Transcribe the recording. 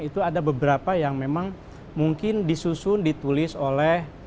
itu ada beberapa yang memang mungkin disusun ditulis oleh